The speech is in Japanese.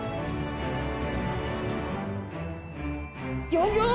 ギョギョ！